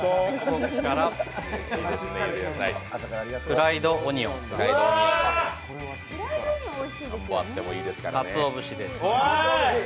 フライドオニオン、かつお節です。